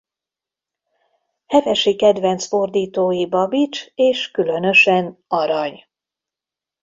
Hevesi kedvenc fordítói Babits és különösen Arany.